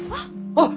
あっ！